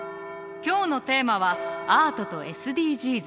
今日のテーマは「アートとＳＤＧｓ」。